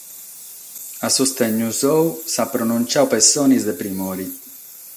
A sustennu suo s'at pronuntziadu pessones de primore.